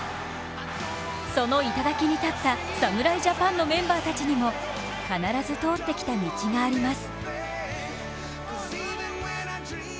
その頂に立った侍ジャパンのメンバーたちにも必ず通ってきた道があります。